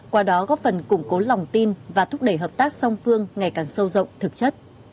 qua đó góp phần củng cố lòng tin và thúc đẩy hợp tác song phương ngày càng sâu rộng thực chất